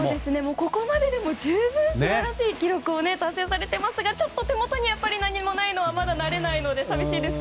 ここまででも十分素晴らしい記録を達成されていますが手元に何もないのはまだ慣れないので寂しいです。